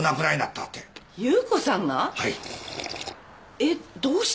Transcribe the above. えっどうして？